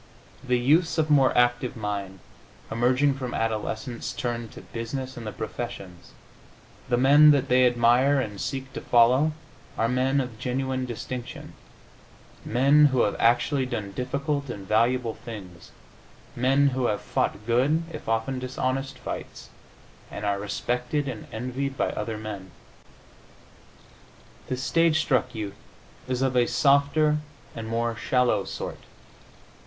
The youths of more active mind, emerging from adolescence, turn to business and the professions; the men that they admire and seek to follow are men of genuine distinction, men who have actually done difficult and valuable things, men who have fought good (if often dishonest) fights and are respected and envied by other men. The stage struck youth is of a softer and more shallow sort.